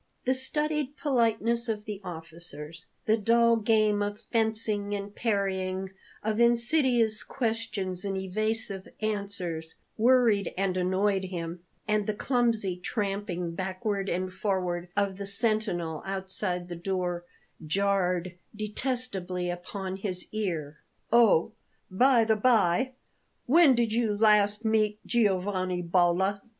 The studied politeness of the officers, the dull game of fencing and parrying, of insidious questions and evasive answers, worried and annoyed him, and the clumsy tramping backward and forward of the sentinel outside the door jarred detestably upon his ear. "Oh, by the bye, when did you last meet Giovanni Bolla?"